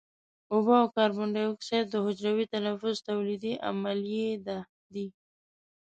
اوبه او کاربن دای اکساید د حجروي تنفس تولیدي عملیې دي.